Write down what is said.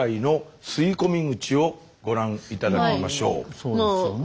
そうですよね。